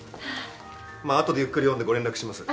まあ後でゆっくり読んでご連絡します。